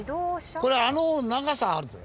これあの長さあるね。